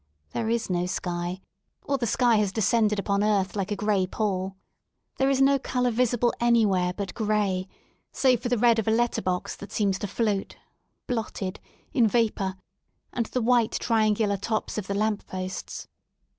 There is no sky, or the sky has descended upon earth like a gray pall. There is no colour visible anywhere but gray save for the red of a letter box that seems to float, blotted, in vapour, and the white trian gular tops of the lamp posts.